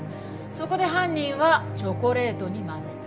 そこで犯人はチョコレートに混ぜた。